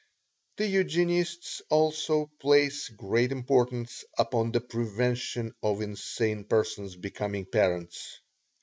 The Eugenists also place great importance upon the prevention of insane persons becoming parents.